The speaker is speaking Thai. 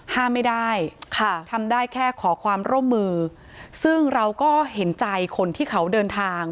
ห้ามไม่ได้ค่ะทำได้แค่ขอความร่วมมือซึ่งเราก็เห็นใจคนที่เขาเดินทาง